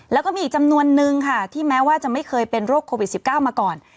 แล้วก็มีอีกจำนวนนึงค่ะที่แม้ว่าจะไม่เคยเป็นโรคโควิด๑๙มาก่อน